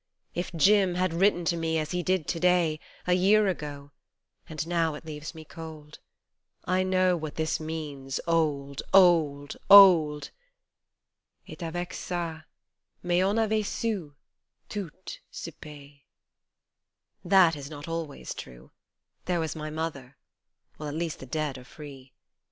4 2 If Jim had written to me as he did to day A year ago and now it leaves me cold I know what this means, old, old, old ! Et avec ca mais on a vtcu, tout se pate. That is not always true : there was my Mother (well at least the dead are free